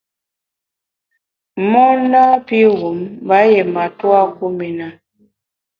Mon napi wum mba yié matua kum i na.